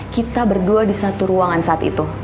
kita berdua disatu ruangan saat itu